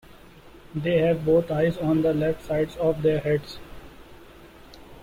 They have both eyes on the left sides of their heads.